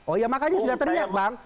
oh ya makanya sudah terlihat bang